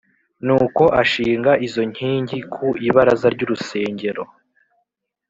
Nuko ashinga izo nkingi ku ibaraza ry’urusengero